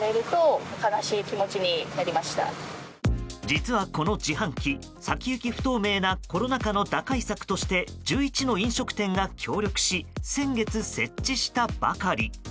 実は、この自販機先行き不透明なコロナ禍の打開策として１１の飲食店が協力し先月、設置したばかり。